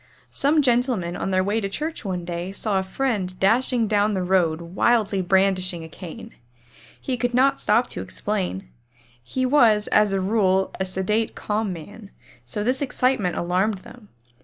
Some gentlemen on their way to church one day saw a friend dashing down the road wildly brandishing a cane. He could not stop to explain. He was as a rule a sedate, calm man, so this excitement alarmed them.